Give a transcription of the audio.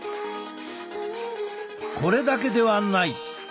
これだけではない。